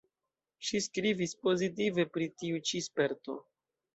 Ŝi skribis pozitive pri tiu ĉi sperto.